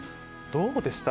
どうでした？